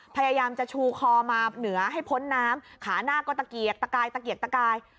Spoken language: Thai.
พยายามจะชูคอมาเหนือให้พ้นน้ำขาหน้าก็ตะเกียกตะกายตะเกียกตะกาย